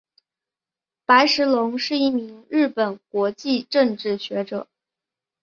白石隆是一名日本国际政治学者。